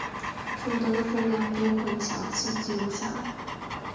所得的份量并会详细记录下来。